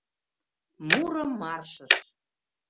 Муро-маршыш.